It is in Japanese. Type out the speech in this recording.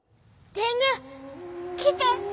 天狗来て！